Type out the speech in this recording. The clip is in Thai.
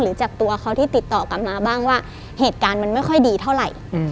จากตัวเขาที่ติดต่อกลับมาบ้างว่าเหตุการณ์มันไม่ค่อยดีเท่าไหร่